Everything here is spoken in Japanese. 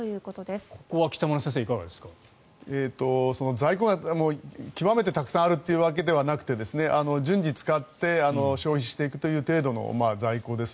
在庫が極めてたくさんあるというわけではなくて順次使って消費していくという程度の在庫です。